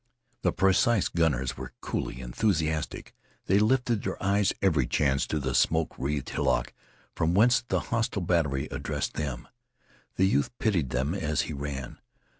The precise gunners were coolly enthusiastic. They lifted their eyes every chance to the smoke wreathed hillock from whence the hostile battery addressed them. The youth pitied them as he ran.